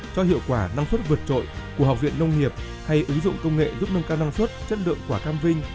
cho hiệu quả năng suất vượt trội của học viện nông nghiệp hay ứng dụng công nghệ giúp nâng cao năng suất chất lượng quả cam vinh